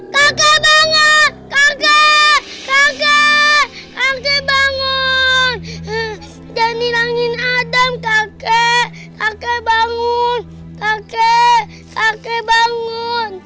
kakek kakek kakek kakek bangun dan hilangin adam kakek kakek bangun kakek kakek bangun